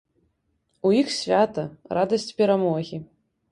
У іх свята, радасць перамогі.